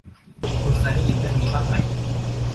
คุณเคยได้ยินเรื่องนี้บ้างไหม